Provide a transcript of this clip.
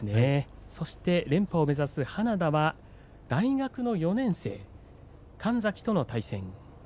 連覇を目指す花田は大学４年生の神崎との対戦です。